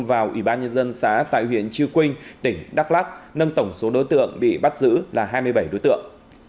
vào ủy ban nhân dân xã tại huyện chư quynh tỉnh đắk lắc nâng tổng số đối tượng bị bắt giữ là hai mươi bảy đối tượng